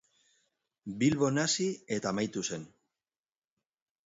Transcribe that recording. Bilbon hasi eta amaitu zen.